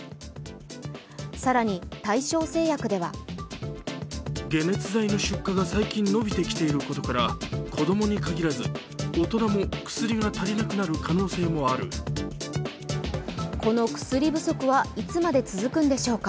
更に、大正製薬ではこの薬不足はいつまで続くのでしょうか。